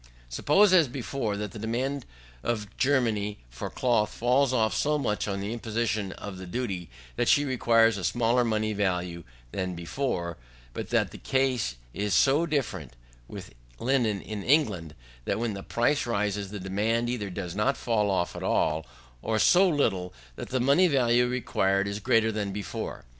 Suppose, as before, that the demand of Germany for cloth falls off so much on the imposition of the duty, that she requires a smaller money value than before, but that the case is so different with linen in England, that when the price rises the demand either does not fall off at all, or so little that the money value required is greater than before.